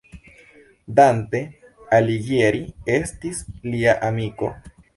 Dante Alighieri estis lia amiko.